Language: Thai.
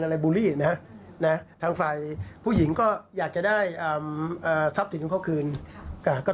บูลลี่นะนะทางฝ่ายผู้หญิงก็อยากจะได้ทรัพย์สินของเขาคืนก็